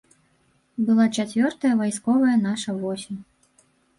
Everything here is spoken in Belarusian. Была чацвёртая вайсковая наша восень.